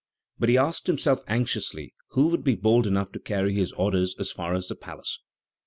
But he asked himself anxiously who would be bold enough to carry his order as far as the palace.